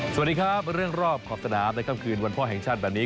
สวัสดีครับเรื่องรอบขอบสนามในค่ำคืนวันพ่อแห่งชาติแบบนี้